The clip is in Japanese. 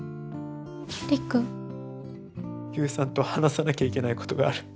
悠さんと話さなきゃいけないことがある。